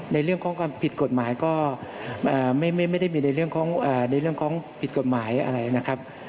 ในเรื่องของความผิดกฎหมายก็ไม่ได้มีในเรื่องของผิดกฎหมายอะไรนะครับ